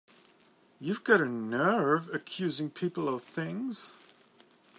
You've got a nerve accusing people of things!